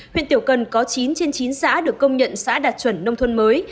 huyện tiểu cần có chín trên chín xã được công nhận xã đạt chuẩn nông thôn mới